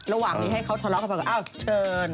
ระหว่างนี้ให้เขาทะเลาะกันไปก็อ้าวเชิญ